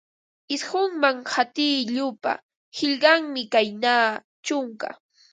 Isqunman qatiq yupa, qillqanmi kayna: chunka